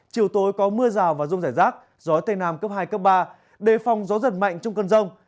chiều tối có mưa rào và rông rải rác gió tây nam cấp hai cấp ba đề phòng gió giật mạnh trong cơn rông